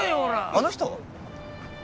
あの人？